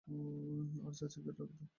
আর, চাচিকে ডাক দে।